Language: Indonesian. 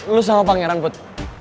lu sama pangeran put